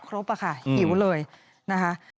ครบอะค่ะหิวเลยนะคะ